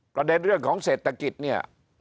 ประเด็นเรื่องของเศรษฐกิจเนี่ย